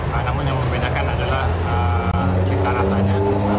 namun yang membedakan adalah cinta rasanya